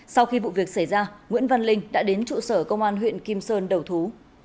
sau khi vụ việc xảy ra nguyễn văn linh đã đến trụ sở công an huyện kim sơn đầu thú